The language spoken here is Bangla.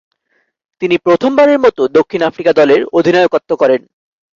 তিনি প্রথমবারের মতো দক্ষিণ আফ্রিকা দলের অধিনায়কত্ব করেন।